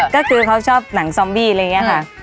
ก็คือเค้าชอบหนังสอมบี้เลยเนี่ยค่ะ